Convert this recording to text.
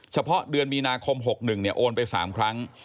เฉพาะเดือนมีนาคม๖๑โอนไป๓ครั้ง